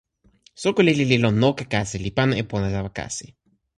soko lili li lon noka kasi li pana e pona tawa kasi.